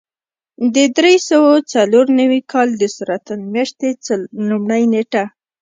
د درې سوه څلور نوي کال د سرطان میاشتې لومړۍ نېټه.